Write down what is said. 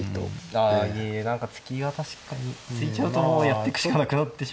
ああいえいえ何か突きは確かに突いちゃうともうやってくしかなくなってしまうんで。